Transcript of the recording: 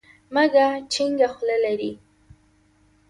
مږه چينګه خوله لري.